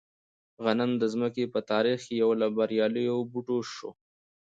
غنم د ځمکې په تاریخ کې یو له بریالیو بوټو شو.